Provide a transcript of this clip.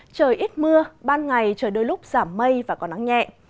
trời ít mưa ban ngày trời đôi lúc giảm mây và có nắng nhẹ